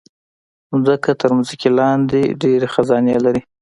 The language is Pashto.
مځکه تر ځمکې لاندې ډېر خزانے لري.